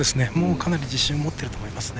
かなり自信を持っていると思います。